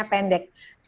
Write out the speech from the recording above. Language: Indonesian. dalam tabiat ini